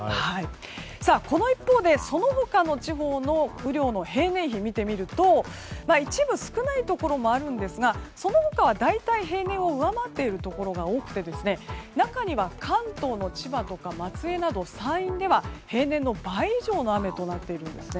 この一方でそのほかの地方の雨量の平年比を見てみると一部、少ないところもあるんですがその他は大体、平年を上回っているところが多くて中には関東の千葉とか松江など山陰では平年の倍以上の雨となっているんですね。